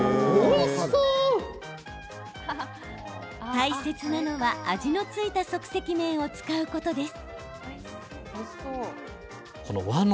大切なのは味の付いた即席麺を使うことです。